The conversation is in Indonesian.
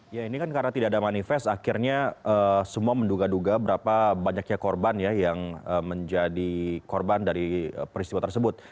ya ini kan karena tidak ada manifest akhirnya semua menduga duga berapa banyaknya korban ya yang menjadi korban dari peristiwa tersebut